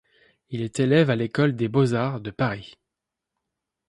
Il est élève à l'école des beaux-arts de Paris.